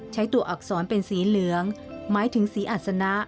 ใช้ตัวอักษรเป็นสีเหลืองหมายถึงสีอัศนะ